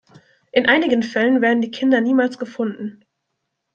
In einigen Fällen werden die Kinder niemals gefunden.